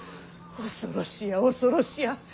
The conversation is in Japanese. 恐ろしや恐ろしや。